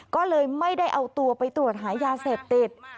ก็เลยไม่ได้เอาตัวไปตรวจหายาเสพติด